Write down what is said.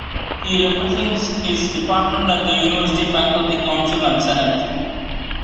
He represents his department at the University Faculty Council and Senate.